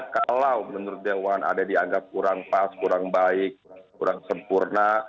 kalau menurut dewan ada yang dianggap kurang pas kurang baik kurang sempurna